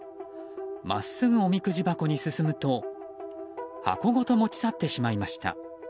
真っすぐおみくじ箱に進むと箱ごと持ち去ってしまいました。